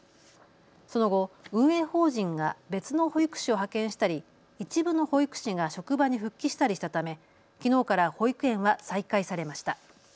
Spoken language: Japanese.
その後、運営法人が別の保育士を派遣したり一部の保育士が職場に復帰したりしたためきのうから保育園は再開されました。